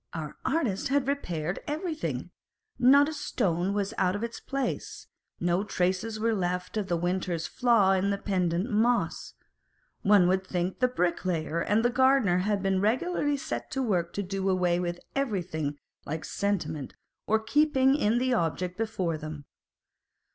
Our artist had repaired everything : not a stone was out of its place : no traces were left of the winter's flaw in the pendent moss. One would think the bricklayer and gardener had been regularly set to work to do away every 4G8 Madame Pasta and Mademoiselle Mars. thing like sentiment or keeping in the object before them.